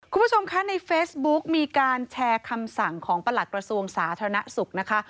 คุณผู้ชมคะในเฟซบุ๊กมีการแชร์คำสั่งของประหลัดกระทรวงสาธารณสุขนะคะ